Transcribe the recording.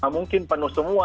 mungkin penuh semua